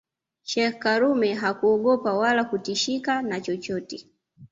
Sheikh karume hakuogopa wala kutishika na chochote